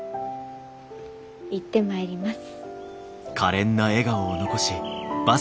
行ってまいります。